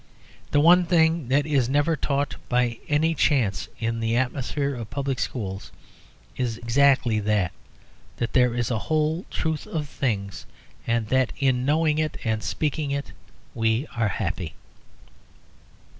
The one thing that is never taught by any chance in the atmosphere of public schools is exactly that that there is a whole truth of things, and that in knowing it and speaking it we are happy.